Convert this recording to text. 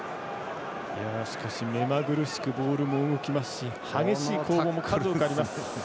しかし、目まぐるしくボールも動きますし激しい攻防も数多くあります。